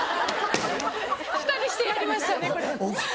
２人してやりましたねこれ。